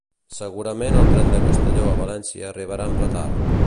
Segurament el tren de Castelló a València arribarà amb retard